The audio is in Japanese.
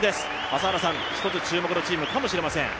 朝原さん、注目のチームかもしれません。